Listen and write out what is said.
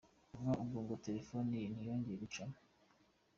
Kuva ubwo ngo telefoni ye ntiyongeye gucamo.